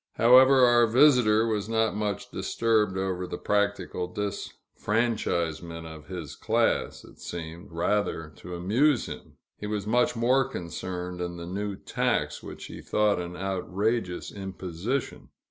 However, our visitor was not much disturbed over the practical disfranchisement of his class it seemed, rather, to amuse him; he was much more concerned in the new tax, which he thought an outrageous imposition.